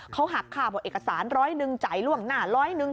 เขาหักค่าบอกเอกสารร้อยหนึ่งจ่ายล่วงหน้าร้อยหนึ่ง